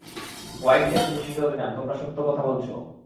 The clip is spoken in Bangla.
হোয়াইট ডেথ নিশ্চিত হতে চান তোমরা সত্য কথা বলছো।